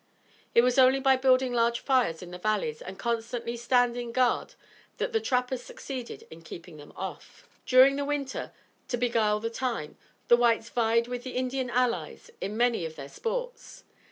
It was only by building large fires in the valleys and constantly standing guard that the trappers succeeded in keeping them off. During the winter, to beguile the time, the whites vied with their Indian allies in many of their sports.